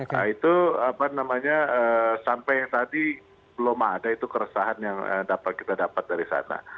nah itu sampai tadi belum ada keresahan yang kita dapat dari sana